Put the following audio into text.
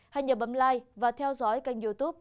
hãy nhớ bấm like và theo dõi kênh youtube